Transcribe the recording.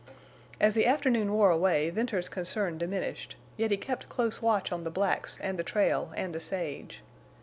As the afternoon wore away Venters's concern diminished, yet he kept close watch on the blacks and the trail and the sage.